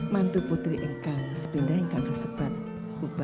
mantu putri engkang sepindah engkang tersebut